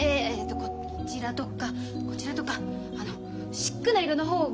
こちらとかこちらとかシックな色の方が。